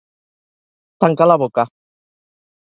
Tancar la boca.